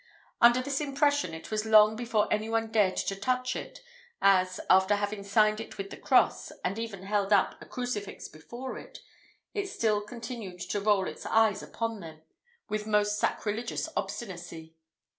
Under this impression, it was long before any one dared to touch it, as, after having signed it with the cross, and even held up a crucifix before it, it still continued to roll its eyes upon them with most sacrilegious obstinacy.